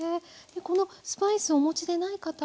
このスパイスをお持ちでない方は。